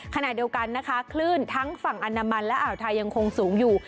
ขณะเดียวกันนะคะคลื่นทั้งฝั่งอนามันและอ่าวไทยยังคงสูงอยู่